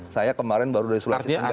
saya kemarin baru dari sulawesi tengah